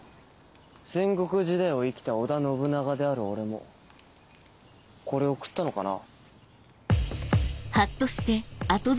戦国時代を生きた織田信長である俺もこれを食ったのかな？